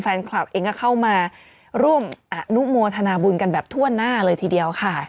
แฟนคลับเองก็เข้ามาร่วมอนุโมทนาบุญกันแบบทั่วหน้าเลยทีเดียวค่ะ